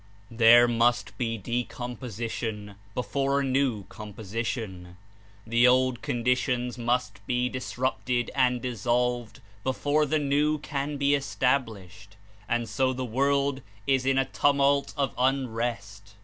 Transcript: There must be decomposition before a new com position. The old conditions must be disrupted and dissolved before the new can be established, and so the world is in a tumult of unrest.